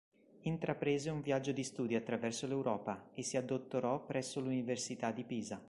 Intraprese un viaggio di studi attraverso l'Europa e si addottorò presso l'Università di Pisa.